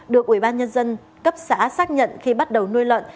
được ubnd cấp xã xác nhận khi bắt đầu nuôi lợn